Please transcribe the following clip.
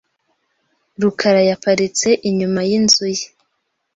rukara yaparitse inyuma yinzu ye .